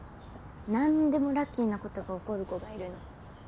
なんでもラッキーなことが起こる子がいるの。